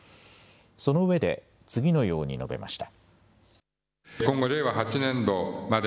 そのうえで次のように述べました。